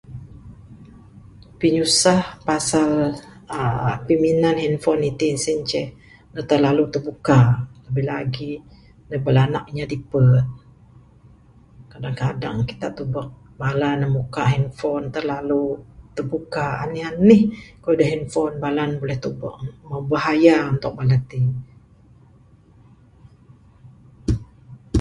Pinyusah pasal aaa piminan handphone itin sien inceh terlalu tebuka. Labih lagi neg bala anak inya dipet. Kadang kadang kita tubek bala ne muka handphone terlalu terbuka anih anih kayuh da handphone bala ne buleh tubek. Meh bahaya untuk bala ti.